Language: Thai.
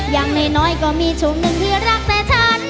อย่างน้อยก็มีช่วงหนึ่งที่รักแต่ฉัน